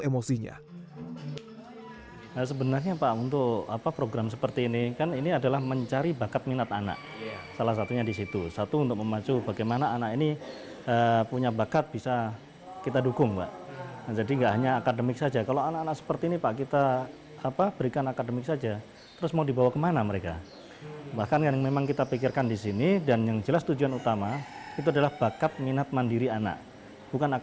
merupakan salah satu alumni pesantren ini sejak tahun dua ribu tiga belas